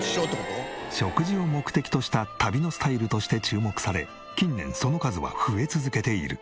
食事を目的とした旅のスタイルとして注目され近年その数は増え続けている。